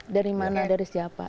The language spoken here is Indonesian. dari mana dari siapa